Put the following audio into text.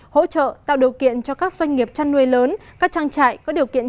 hỗ trợ tạo điều kiện cho các doanh nghiệp chăn nuôi lớn các trang trại có điều kiện